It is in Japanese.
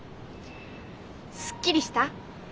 すっきりした？